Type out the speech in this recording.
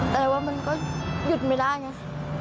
แต่ว่ามันก็หยุดไม่ได้ไง